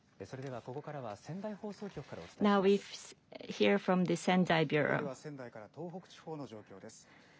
それではここからは、では、仙台から東北地方の状況です。